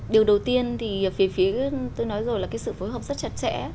điều đầu tiên thì phía tôi nói rồi là cái sự phối hợp rất chặt chẽ